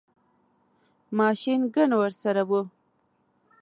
ماشین ګن ورسره وو.